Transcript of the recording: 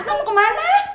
akang akang mau kemana